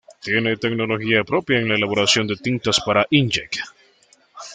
Tiene tecnología propia en la elaboración de tintas para ink-jet.